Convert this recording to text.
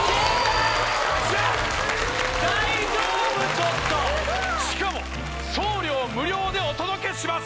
ちょっとしかも送料無料でお届けします